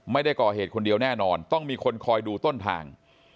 ไม่ได้ก่อเหตุคนเดียวแน่นอนต้องมีคนคอยดูต้นทาง